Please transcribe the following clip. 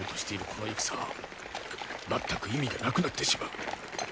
この戦は全く意味がなくなってしまう。